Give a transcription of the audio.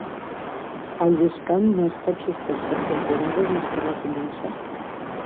Allsvenskan no ha estat suspès cap temporada des que va començar.